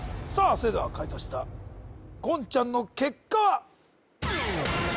それでは解答した言ちゃんの結果は？